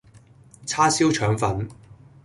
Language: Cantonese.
叉燒腸粉